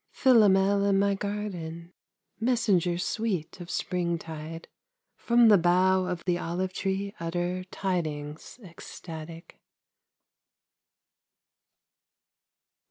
Philomel in my garden, Messenger sweet of springtide, From the bough of the olive tree utter Tidings ecstatic.